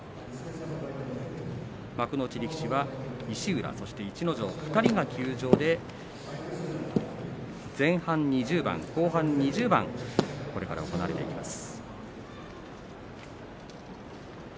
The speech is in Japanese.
幕内力士は石浦そして逸ノ城の２人が休場で前半２０番、後半２０番がこれから行われていきます。